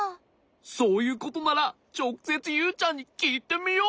そういうことならちょくせつユウちゃんにきいてみよう。